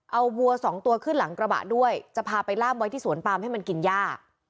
เอาวัวสองตัวขึ้นหลังกระบะด้วยจะพาไปล่ามไว้ที่สวนปามให้มันกินย่า